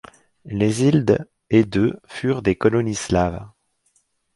Les îles d' et de furent des colonies slaves.